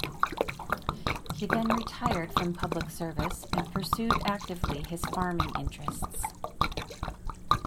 He then retired from public service, and pursued actively his farming interests.